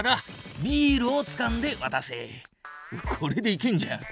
これでいけんじゃん。